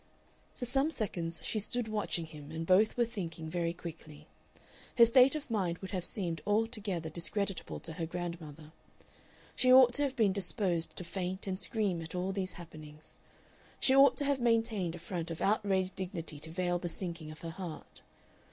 For some seconds she stood watching him and both were thinking very quickly. Her state of mind would have seemed altogether discreditable to her grandmother. She ought to have been disposed to faint and scream at all these happenings; she ought to have maintained a front of outraged dignity to veil the sinking of her heart.